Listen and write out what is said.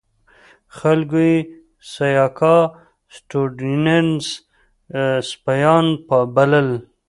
خلکو یې سیاکا سټیونز سپیان بلل.